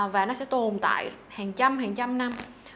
và nó sẽ tồn tại hàng trăm hàng trăm năm